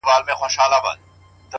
• مه مو شمېره پیره په نوبت کي د رندانو,